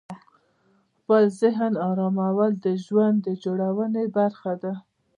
خپل ذهن آرامول د ژوند جوړونې برخه ده.